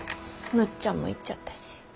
むっちゃんも行っちゃったし。